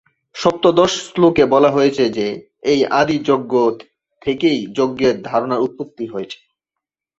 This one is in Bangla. সপ্তদশ শ্লোকে বলা হয়েছে যে, এই আদি যজ্ঞ থেকেই যজ্ঞের ধারণার উৎপত্তি হয়েছে।